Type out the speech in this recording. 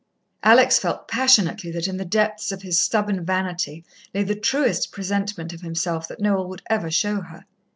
Alex felt passionately that in the depths of his stubborn vanity lay the truest presentment of himself that Noel would ever show her.